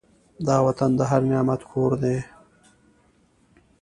دا وطن د هر نعمت کور دی.